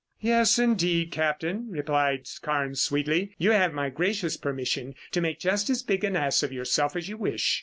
"Yes indeed, Captain," replied Carnes sweetly. "You have my gracious permission to make just as big an ass of yourself as you wish.